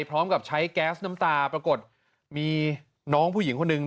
พร้อมกับใช้แก๊สน้ำตาปรากฏมีน้องผู้หญิงคนหนึ่ง